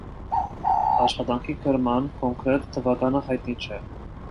Աշխատանքի գրման կոնկրետ թվականը հայտնի չէ։